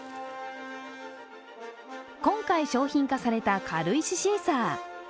今回、商品化された軽石シーサー。